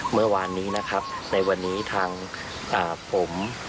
เมื่อวานนี้นะครับในวันนี้ทางผม